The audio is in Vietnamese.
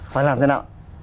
phải làm thế nào